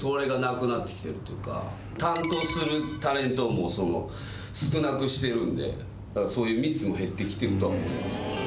担当するタレントを少なくしてるんでそういうミスも減って来てるとは思います。